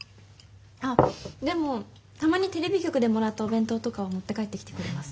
あっでもたまにテレビ局でもらったお弁当とかは持って帰ってきてくれます。